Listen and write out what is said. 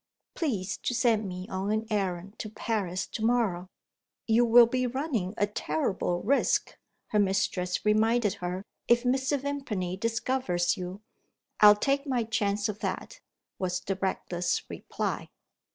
Please to send me on an errand to Paris to morrow." "You will be running a terrible risk," her mistress reminded her, "if Mr. Vimpany discovers you." "I'll take my chance of that," was the reckless reply.